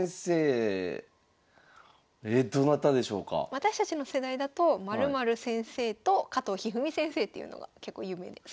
私たちの世代だと○○先生と加藤一二三先生っていうのが結構有名で。